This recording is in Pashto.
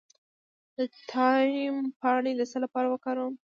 د تایم پاڼې د څه لپاره وکاروم؟